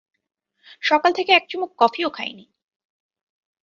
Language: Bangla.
সকাল থেকে এক চুমুক কফিও খাইনি।